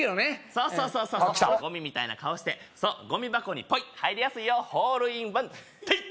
そうそうそうそうそうゴミみたいな顔してそうゴミ箱にポイッ入りやすいよホールインワン！